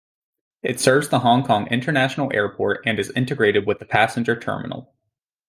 It serves the Hong Kong International Airport, and is integrated with the passenger terminal.